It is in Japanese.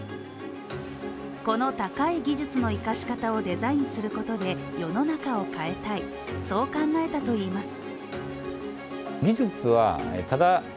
この高い技術の生かし方をデザインすることで世の中を変えたい、そう考えたといいます。